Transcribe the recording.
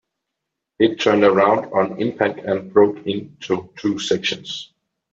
It turned around on impact and broke into two sections.